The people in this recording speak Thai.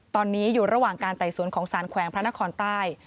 ตอนนี้อยู่ระหว่างการไต่สวนของสารแขวงพระนครใต้